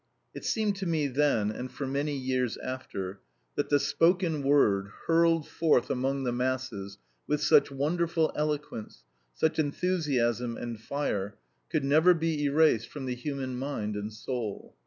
It seemed to me then, and for many years after, that the spoken word hurled forth among the masses with such wonderful eloquence, such enthusiasm and fire, could never be erased from the human mind and soul.